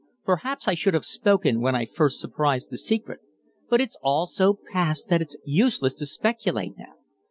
Perhaps I should have spoken when I first surprised the secret, but it's all so past that it's useless to speculate now.